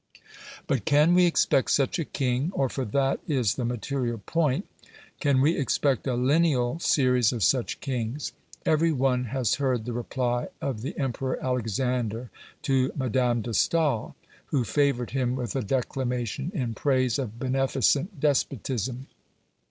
But can we expect such a king, or, for that is the material point, can we expect a lineal series of such kings? Every one has heard the reply of the Emperor Alexander to Madame de Stael, who favoured him with a declamation in praise of beneficent despotism.